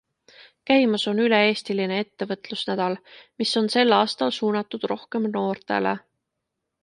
Käimas on üle-eestiline ettevõtlusnädal, mis on sel aastal suunatud rohkem noortele.